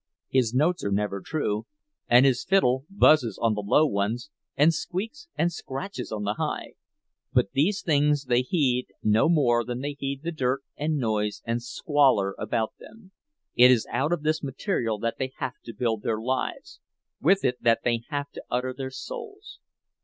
His notes are never true, and his fiddle buzzes on the low ones and squeaks and scratches on the high; but these things they heed no more than they heed the dirt and noise and squalor about them—it is out of this material that they have to build their lives, with it that they have to utter their souls.